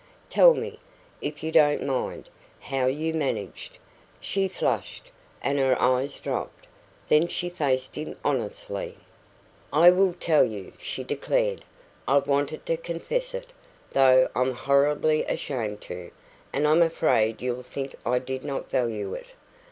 Tell me, if you don't mind, how you managed?" She flushed, and her eyes dropped; then she faced him honestly. "I will tell you," she declared. "I've wanted to confess it, though I'm horribly ashamed to and I'm afraid you'll think I did not value it.